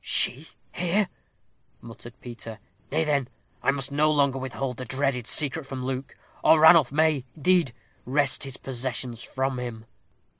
"She here!" muttered Peter; "nay, then, I must no longer withhold the dreaded secret from Luke, or Ranulph may, indeed, wrest his possessions from him."